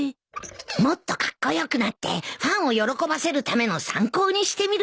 もっとカッコ良くなってファンを喜ばせるための参考にしてみるか